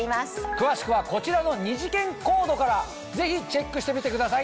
詳しくはこちらの２次元コードからぜひチェックしてみてください。